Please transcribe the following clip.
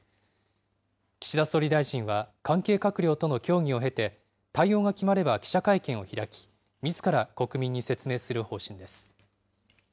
岸田総理大臣は、関係閣僚との協議を受けて、対応が決まれば記者会見を開き、みずから国民に説明する方針です。